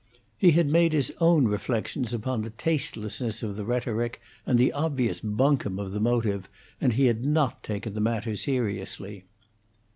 He had made his own reflections upon the tastelessness of the rhetoric, and the obvious buncombe of the motive, and he had not taken the matter seriously.